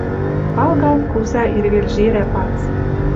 Валгалт куза ирвел жерӓ пац...